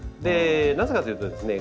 なぜかというとですね